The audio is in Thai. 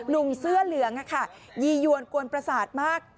หนุ่มเสื้อเหลืองยียวนกวนประสาทมาก